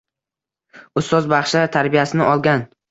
Ustoz baxshilar tarbiyasini olgan.